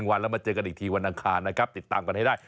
วันแล้วมาเจอกันอีกทีวันอังคารนะครับติดตามกันให้ได้